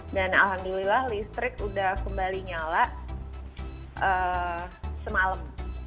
dan alhamdulillah listrik sudah kembali nyala semalam